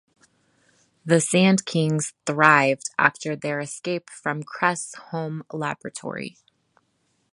The Sandkings thrived after their escape from Kress' home laboratory.